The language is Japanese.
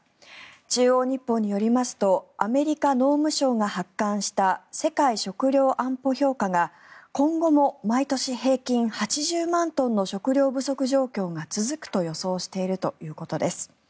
中央日報によりますとアメリカ農務省が発刊した世界食糧安保評価が今後も毎年平均８０万トンの食糧不足状況が続くと予想しているということです。